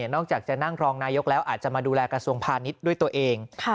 จะนั่งรองนายกแล้วอาจจะมาดูแลกระทรวงพาณิชย์ด้วยตัวเอง